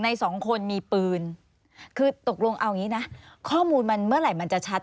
สองคนมีปืนคือตกลงเอาอย่างนี้นะข้อมูลมันเมื่อไหร่มันจะชัด